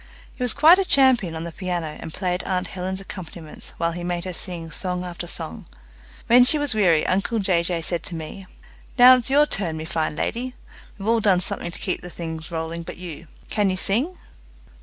He was quite a champion on the piano, and played aunt Helen's accompaniments while he made her sing song after song. When she was weary uncle Jay Jay said to me, "Now it's your turn, me fine lady. We've all done something to keep things rolling but you. Can you sing?"